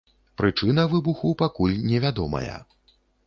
Прычына выбуху пакуль невядомая.